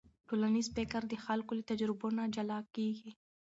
ټولنیز فکر د خلکو له تجربو نه جلا کېږي.